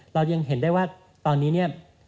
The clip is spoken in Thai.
เรายังเห็นได้ว่าตอนนี้เนี่ย